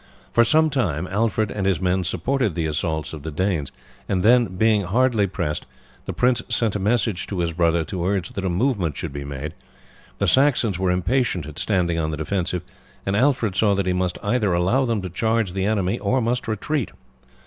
For some time Alfred and his men supported the assaults of the Danes, and then, being hardly pressed, the prince sent a messenger to his brother to urge that a movement should be made. The Saxons were impatient at standing on the defensive, and Alfred saw that he must either allow them to charge the enemy or must retreat.